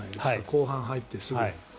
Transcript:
後半に入ってすぐ。